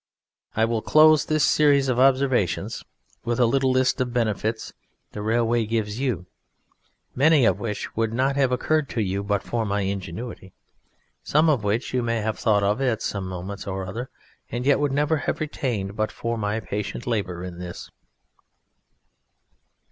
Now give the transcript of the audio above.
] I will close this series of observations with a little list of benefits the railway gives you, many of which would not have occurred to you but for my ingenuity, some of which you may have thought of at some moment or other, and yet would never have retained but for my patient labour in this.